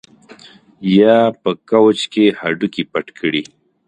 یا په کوچ کې هډوکي پټ کړي